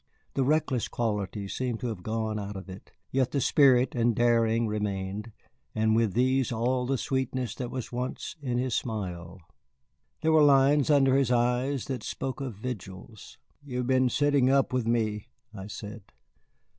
The reckless quality seemed to have gone out of it, yet the spirit and daring remained, and with these all the sweetness that was once in his smile. There were lines under his eyes that spoke of vigils. "You have been sitting up with me," I said.